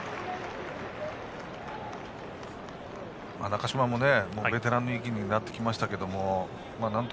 中島もベテランの域になってきましたけど。